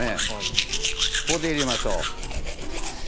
ここで入れましょう。